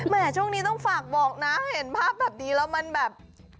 ช่วงนี้ต้องฝากบอกนะเห็นภาพแบบนี้แล้วมันแบบ